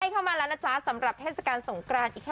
เข้ามาแล้วนะจ๊ะสำหรับเทศกาลสงกรานอีกค่ะ